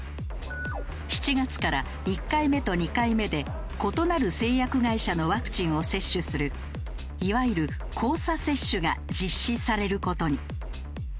７月から１回目と２回目で異なる製薬会社のワクチンを接種するいわゆる交差接種が実施される事に。